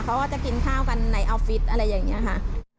เขาก็จะกินข้าวกันในออฟฟิศอะไรอย่างนี้ค่ะ